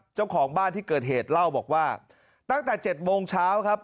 เจ้าของบ้านที่เกิดเหตุเล่าบอกว่าตั้งแต่๗โมงเช้าครับ